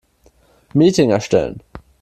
Meeting erstellen.